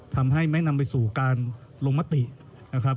ทำให้ไม่นำไปสู่การลงมตินะครับ